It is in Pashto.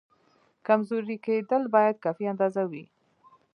کمزوری کېدل باید کافي اندازه وي.